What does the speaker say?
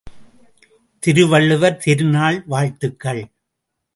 திருவள்ளுவர் திருநாள் வாழ்த்துகள்!